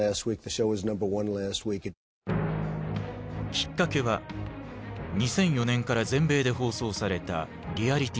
きっかけは２００４年から全米で放送されたリアリティーショー。